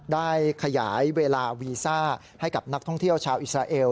ได้ขยายเวลาวีซ่าให้กับนักท่องเที่ยวชาวอิสราเอล